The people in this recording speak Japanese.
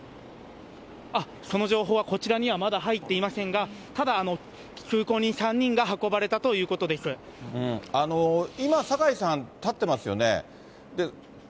その情報はこちらにはまだ入っていませんが、ただ、通行人３今、酒井さん、立ってますよね。